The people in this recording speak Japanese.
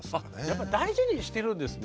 やっぱ大事にしてるんですね。